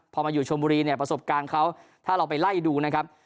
พอมาอยู่ชมบุรีเนี่ยประสบการณ์เขาถ้าเราไปไล่ดูนะครับ